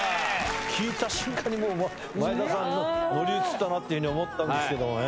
聴いた瞬間にもう、前田さんが乗り移ったなというふうに思ったんですけどもね。